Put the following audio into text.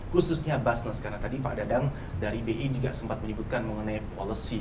khususnya busness karena tadi pak dadang dari bi juga sempat menyebutkan mengenai policy